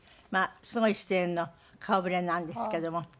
すごい出演の顔ぶれなんですけども。